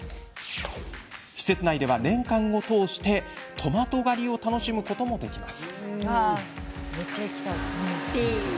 施設内では年間を通してトマト狩りを楽しむこともできます。